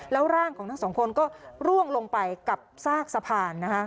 แล้วร่างของทั้งสองคนก็ร่วงลงไปกับซากสะพาน